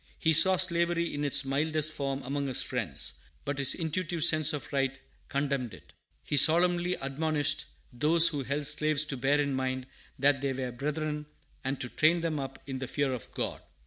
He saw slavery in its mildest form among his friends, but his intuitive sense of right condemned it. He solemnly admonished those who held slaves to bear in mind that they were brethren, and to train them up in the fear of God.